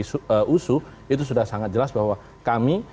isu usu itu sudah sangat jelas bahwa kami